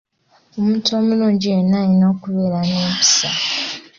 Omuntu omulungi yenna alina okubeera n’empisa.